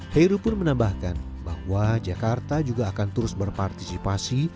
heru pun menambahkan bahwa jakarta juga akan terus berpartisipasi